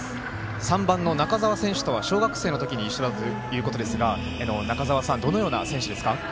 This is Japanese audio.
３番の中澤選手とは小学生のとき一緒だということですが中澤さんはどのような選手ですか。